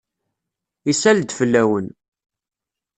Isal-d fell-awent.